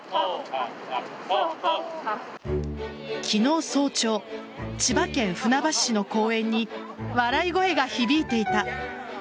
昨日早朝千葉県船橋市の公園に笑い声が響いていた。